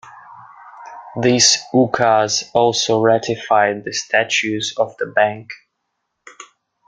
This ukaz also ratified the Statues of the bank.